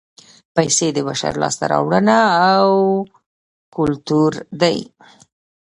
پیسې د بشر لاسته راوړنه او کولتور دی